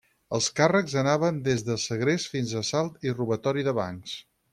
Els càrrecs anaven des de segrest fins a assalt i robatori de bancs.